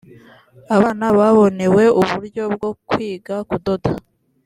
abana babonewe uburyo bwo kwiga kudoda